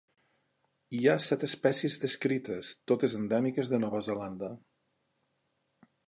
Hi ha set espècies descrites, totes endèmiques de Nova Zelanda.